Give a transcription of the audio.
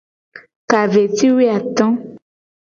Ka ve ci wo ato.